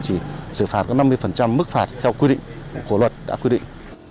chỉ xử phạt có năm mươi mức phạt theo quy định của luật đã quy định